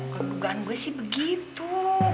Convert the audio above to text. kalo dugaan gue sih begitu